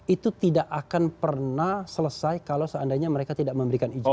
itu tidak akan pernah selesai kalau seandainya mereka tidak memberikan izin